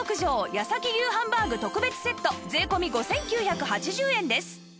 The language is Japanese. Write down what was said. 八崎牛ハンバーグ特別セット税込５９８０円です